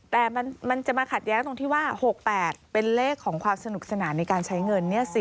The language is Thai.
แต่มันจะมาขัดแย้งตรงที่ว่า๖๘เป็นเลขของความสนุกสนานในการใช้เงิน